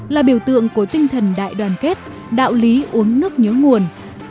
là biểu tượng của tinh thần đại đoàn kết đạo lý uống nước nhớ nguồn